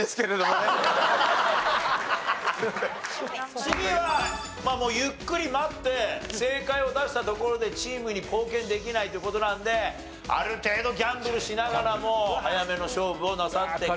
次はゆっくり待って正解を出したところでチームに貢献できないという事なんである程度ギャンブルしながらも早めの勝負をなさってください。